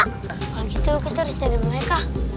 kalau gitu kita harus cari mereka